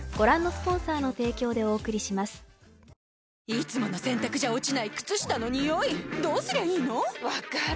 いつもの洗たくじゃ落ちない靴下のニオイどうすりゃいいの⁉分かる。